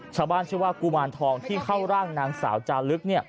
ชาวบ้านชื่อว่ากุมารทองที่เข้าร่างนางสาวจาลึก